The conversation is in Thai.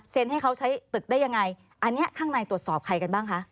ให้เขาใช้ตึกได้ยังไงอันนี้ข้างในตรวจสอบใครกันบ้างคะ